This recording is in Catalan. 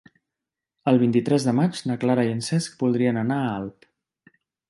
El vint-i-tres de maig na Clara i en Cesc voldrien anar a Alp.